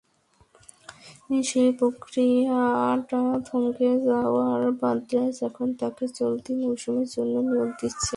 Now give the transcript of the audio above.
সেই প্রক্রিয়াটা থমকে যাওয়ায় ব্রাদার্স এখন তাঁকে চলতি মৌসুমের জন্য নিয়োগ দিচ্ছে।